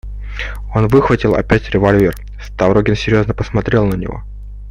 Он выхватил опять револьвер; Ставрогин серьезно посмотрел на него.